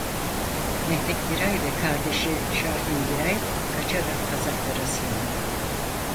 Mehmed Giray ve kardeşi Şahin Giray kaçarak Kazaklara sığındı.